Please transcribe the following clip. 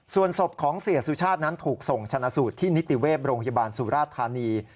ส่วนศพของเสียสุชาตินั้นถูกส่งชนะสูตรที่นิติเวศโรงพยาบาลสุราธานี